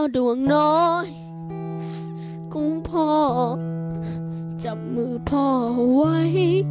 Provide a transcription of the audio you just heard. ดวงน้อยกุ้งพ่อจับมือพ่อไว้